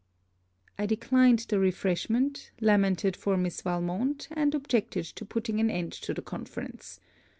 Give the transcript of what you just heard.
I declined the refreshment, lamented for Mrs. Valmont, and objected to putting an end to the conference.